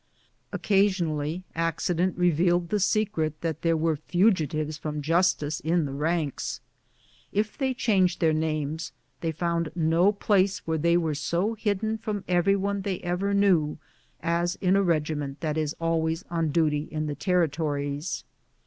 Occasionally accident revealed the secret that there were fugitives from justice in the ranks. If they changed their names, they found no place where they were so hidden from every one they ever knew as in a regiment that is always on duty in the territories.